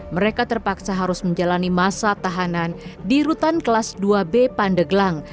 mereka terpaksa harus menjalani masa tahanan di rutan kelas dua b pandeglang